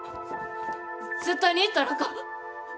絶対に行ったらあかん！